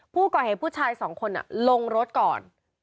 ผู้ก่อเหตุผู้ชาย๒คนน่ะลงรถก่อน